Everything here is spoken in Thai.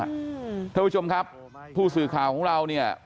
ท่านผู้ชมครับผู้สื่อข่าวของเราเนี่ย